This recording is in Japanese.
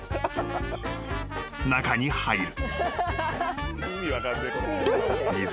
［中に入る］